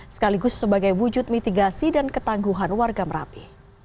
sekaligus sebagai wujud mitigasi dan ketangguhan warga merapi